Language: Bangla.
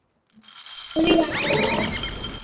জানি, কিন্তু কোথাও দেখতে পাচ্ছি না।